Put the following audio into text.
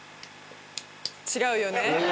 違うよね。